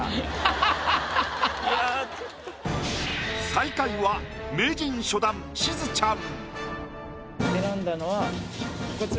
最下位は名人初段しずちゃん。